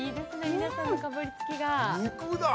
皆さんのかぶりつきが肉だ！